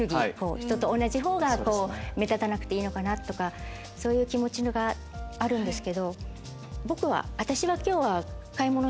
ひとと同じほうが目立たなくていいのかなとかそういう気持ちがあるんですけど。